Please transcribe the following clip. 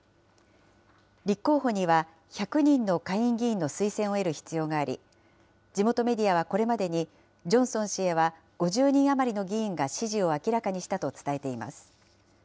立候補には、１００人の下院議員の推薦を得る必要があり、地元メディアはこれまでにジョンソン氏へは５０人余りの議員が支持を明らかにしたと伝えています。